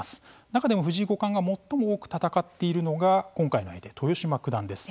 中でも藤井五冠が最も多く戦っているのが今回の相手、豊島九段です。